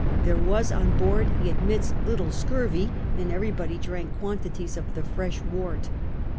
There was on board, ho admiti^ little scurv}', and everybody drank quantities of the fresh wort.